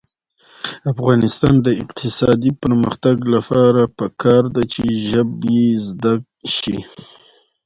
د افغانستان د اقتصادي پرمختګ لپاره پکار ده چې ژبې زده شي.